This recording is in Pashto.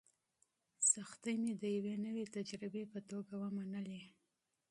سختۍ مې د یوې نوې تجربې په توګه ومنلې.